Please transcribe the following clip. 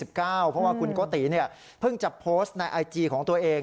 เพราะว่าคุณโกติเพิ่งจะโพสต์ในไอจีของตัวเอง